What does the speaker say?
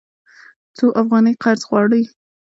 څو افغانۍ قرض غواړې؟